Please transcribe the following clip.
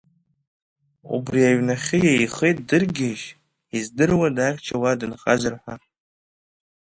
Убри аҩнахьы еихеит Дыргьежь, издыруада ахьча уа дынхазар ҳәа.